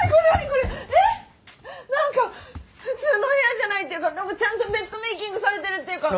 何か普通の部屋じゃないっていうか何かちゃんとベッドメーキングされてるっていうか！